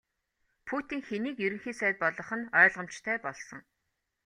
Путин хэнийг Ерөнхий сайд болгох нь ойлгомжтой болсон.